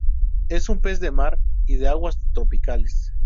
Es un pez de mar y de aguas tropicales.